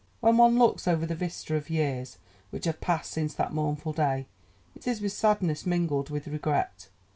When one looks over the vista of years which have passed since that mournful day, it is with sadness mingled with regret.